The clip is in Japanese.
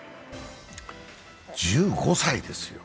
１５歳ですよ。